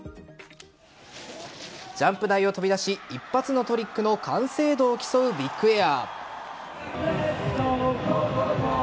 ジャンプ台を飛び出し一発のトリックの完成度を競うビッグエア。